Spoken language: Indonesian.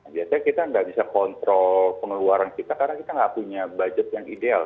biasanya kita nggak bisa kontrol pengeluaran kita karena kita nggak punya budget yang ideal